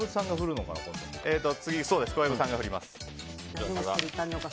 次、小籔さんが振ります。